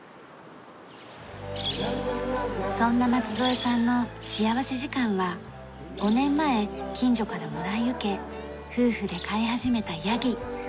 そんな松添さんの幸福時間は５年前近所からもらい受け夫婦で飼い始めたヤギ。